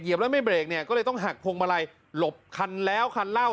เกิดไม่เบลงก็เลยต้องหักพรงมาลัยหลบคันแล้วคันเล่า